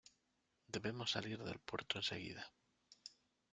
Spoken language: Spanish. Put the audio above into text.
Debemos salir del puerto enseguida.